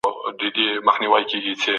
د غالب دیوان تر نورو نسخو زیات وڅېړل سو.